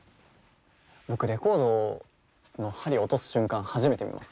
僕レコードの針を落とす瞬間初めて見ます。